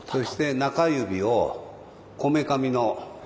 中指をこめかみ。